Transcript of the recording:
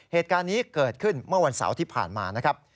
เหตุการณ์นี้เกิดขึ้นเมื่อวันเสาร์ที่ผ่านมานะครับ